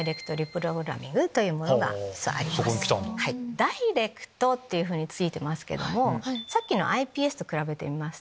「ダイレクト」って付いてますけどもさっきのｉＰＳと比べてみます。